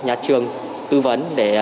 nhà trường tư vấn để